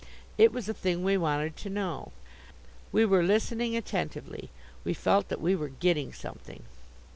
It was a thing we wanted to know. We were listening attentively. We felt that we were "getting something."